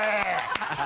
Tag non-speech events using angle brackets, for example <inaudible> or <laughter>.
ハハハ <laughs>